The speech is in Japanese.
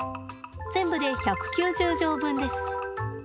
全部で１９０錠分です。